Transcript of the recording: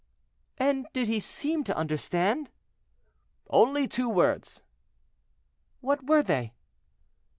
"And did he seem to understand?" "Only two words." "What were they?"